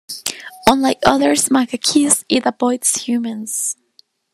Unlike other macaques, it avoids humans.